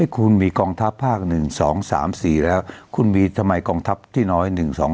คุณมีกองทัพภาค๑๒๓๔แล้วคุณมีทำไมกองทัพที่น้อย๑๒๒